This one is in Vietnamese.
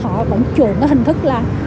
họ vẫn trụ nó hình thức là